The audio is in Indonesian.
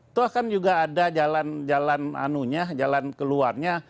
itu akan juga ada jalan jalan anunya jalan keluarnya